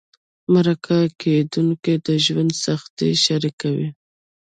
مرکه کېدونکي د ژوند سختۍ شریکوي.